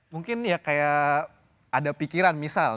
mungkin ya kayak ada pikiran misal